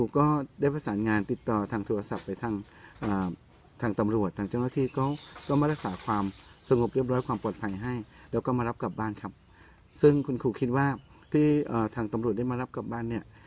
ก็มารักษาความสงบเรียบร้อยความปลอดภัยให้แล้วก็มารับกลับบ้านครับซึ่งคุณครูคิดว่าที่เอ่อทางตำรวจได้มารับกลับบ้านเนี่ย